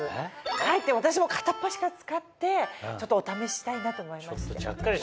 帰って私も片っ端から使ってお試ししたいなと思いまして。